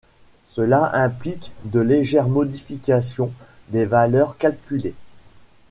Cela implique de légères modifications des valeurs calculées.